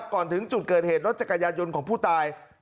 ก่อนถึงจุดเกิดเหตุรถจักรยานยนต์ของผู้ตาย